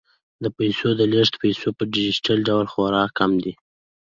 د پيسو د لیږد فیس په ډیجیټل ډول خورا کم دی.